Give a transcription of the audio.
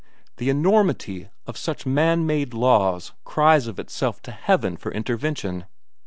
The enormity of such man made laws cries of itself to Heaven for intervention.